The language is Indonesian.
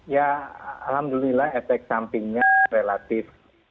ya alhamdulillah efek sampingnya relatif